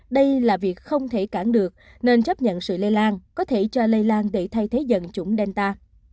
đây là việc không thể cản được nên chấp nhận sự lây lan có thể cho lây lan để thay thế dần chủng delta